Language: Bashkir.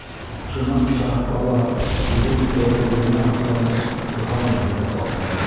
Шунан Шаһбала, үҙенең тәүәккәллегенә һоҡланып, ҡорһағын һыйпап алды.